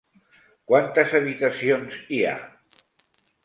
Quantes habitacions hi ha?